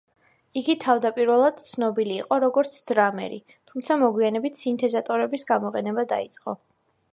იგი თავდაპირველად ცნობილი იყო, როგორც დრამერი, თუმცა მოგვიანებით სინთეზატორების გამოყენება დაიწყო.